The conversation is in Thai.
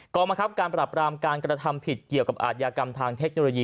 กรรมคับการปรับรามการกระทำผิดเกี่ยวกับอาทยากรรมทางเทคโนโลยี